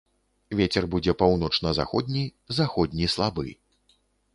Вецер будзе паўночна-заходні, заходні слабы.